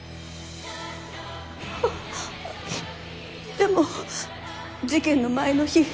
でも事件の前の日